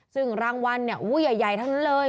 ซึ่งรางวัลเนี่ยอู้ใหญ่เท่านั้นเลย